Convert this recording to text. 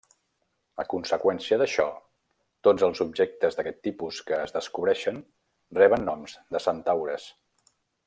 A conseqüència d'això, tots els objectes d'aquest tipus que es descobreixen reben noms de centaures.